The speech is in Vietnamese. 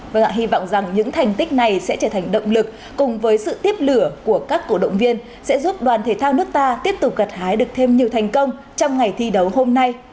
vâng ạ hy vọng rằng những thành tích này sẽ trở thành động lực cùng với sự tiếp lửa của các cổ động viên sẽ giúp đoàn thể thao nước ta tiếp tục gặt hái được thêm nhiều thành công trong ngày thi đấu hôm nay